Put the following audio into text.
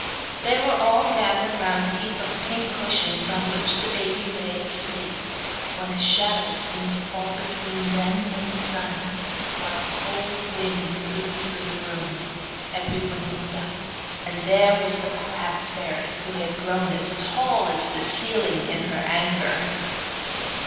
They were all gathered round the heap of pink cushions on which the baby lay asleep, when a shadow seemed to fall between them and the sun, while a cold wind blew through the room. Everybody looked up, and there was the crab fairy, who had grown as tall as the ceiling in her anger.